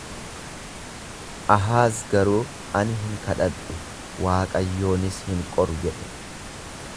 Ahaaz garuu ani hin kadhadhu, Waaqayyoonis hin qoru jedhe.